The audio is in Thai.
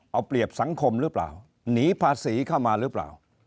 เอาเปรียบสังคมหรือเปล่าหนีภาษีเข้ามาหรือเปล่า